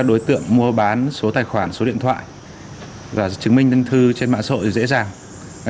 đối tượng mua bán số tài khoản số điện thoại và chứng minh tên thư trên mạng sổ thì dễ dàng